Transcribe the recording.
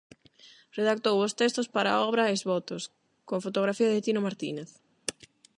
Redactou os textos para a obra Ex-votos, con fotografía de Tino Martínez.